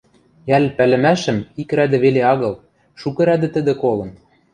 Йӓл пӓлӹмӓшӹм ик рӓдӹ веле агыл, шукы рӓдӹ тӹдӹ колын.